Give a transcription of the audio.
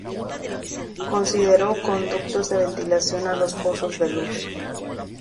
Consideró conductos de ventilación a los pozos de luz.